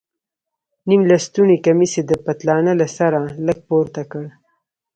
نيم لستوڼى کميس يې د پتلانه له سره لږ پورته کړ.